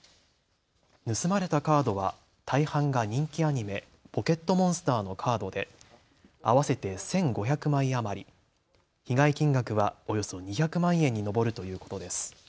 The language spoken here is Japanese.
盗まれたカードは大半が人気アニメ、ポケットモンスターのカードで合わせて１５００枚余り、被害金額はおよそ２００万円に上るということです。